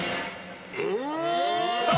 え！